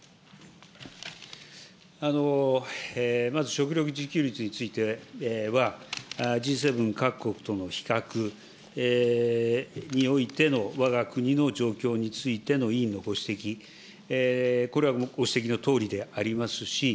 まず食料自給率については、Ｇ７各国との比較においてのわが国の状況についての委員のご指摘、これはご指摘のとおりでありますし、